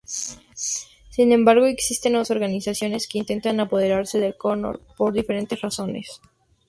Sin embargo, existen otras varias organizaciones que intentan apoderarse de Connor por diferentes razones.